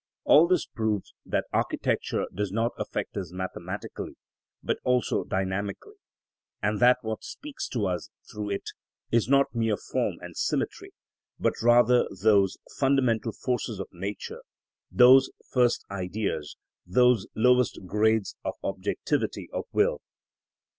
All this proves that architecture does not affect us mathematically, but also dynamically, and that what speaks to us through it, is not mere form and symmetry, but rather those fundamental forces of nature, those first Ideas, those lowest grades of the objectivity of will.